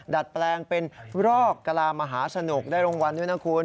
ดัดแปลงเป็นรอกกะลามหาสนุกได้รางวัลด้วยนะคุณ